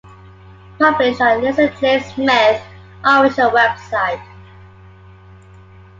Published on Lisa Jane Smith official website.